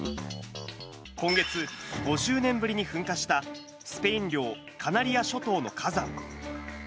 今月、５０年ぶりに噴火した、スペイン領カナリア諸島の火山。